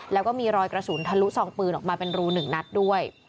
แล้วก็มีรอยกระสุนทะลุซองปืนออกมาเป็นรู๑นัดด้วย